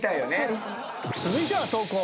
続いては投稿！